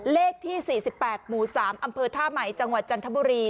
เลขที่๔๘หมู่๓อำเภอท่าใหม่จังหวัดจันทบุรี